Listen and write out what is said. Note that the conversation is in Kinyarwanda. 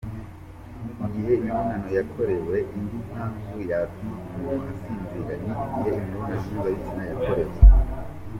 Igihe imibonano yakorewe: Indi mpamvu yatuma umuntu asinzira ni igihe imibonano mpuzabitsina yakorewe.